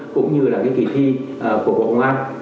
cũng như là kỳ thi của bộ công an